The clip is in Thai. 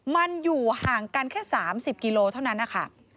มันอยู่ห่างกันแค่๓๐กิโลเท่านั้นนะคะ